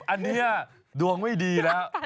อันนี้ดวงไม่ดีแล้ว